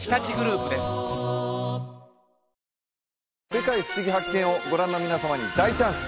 「世界ふしぎ発見！」をご覧の皆様に大チャンス